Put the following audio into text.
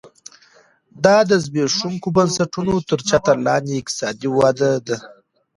دا د زبېښونکو بنسټونو تر چتر لاندې اقتصادي وده ده